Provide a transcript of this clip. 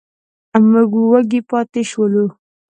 موږ وږي پاتې شولو.